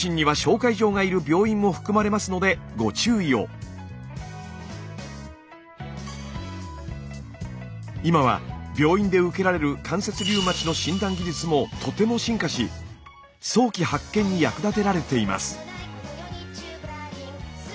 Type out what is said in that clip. ただし今は病院で受けられる関節リウマチの診断技術もとても進化し早期発見に役立てられています。